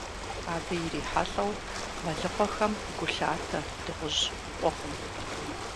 Абы ирихьэлӀэу, мэлыхъуэхэм гу лъатэ дыгъужь къугъым.